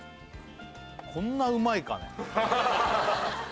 こんなうまいかね？